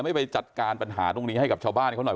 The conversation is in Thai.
ไม่ไปจัดการปัญหาตรงนี้ให้กับชาวบ้านเขาหน่อย